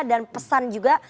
dan pesan juga